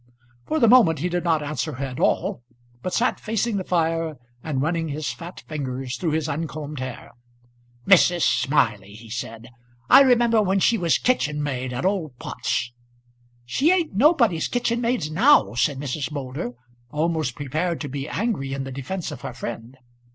For the moment he did not answer her at all, but sat facing the fire, and running his fat fingers through his uncombed hair. "Mrs. Smiley!" he said; "I remember when she was kitchen maid at old Pott's." "She ain't nobody's kitchen maid now," said Mrs. Moulder, almost prepared to be angry in the defence of her friend.